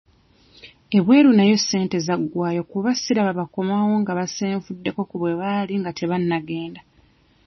Ebweru nayo ssente zaggwayo kuba siraba bakomawo nga basenvuddeko ku bwe baali nga tebannagenda.